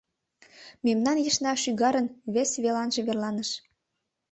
Мемнан ешна шӱгарын вес веланже верланыш.